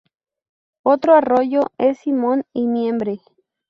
Otro arroyo es Simón y Mimbre.